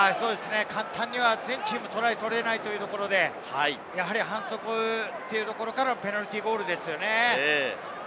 簡単には全チーム、トライを取れないというところで、反則からペナルティーゴールですよね。